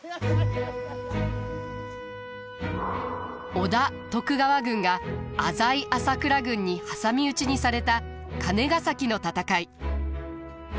織田徳川軍が浅井朝倉軍に挟み撃ちにされた金ヶ崎の戦い。